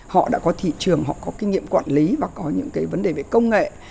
họ đã có thị trường họ có kinh nghiệm quản lý và có những cái vấn đề về công nghệ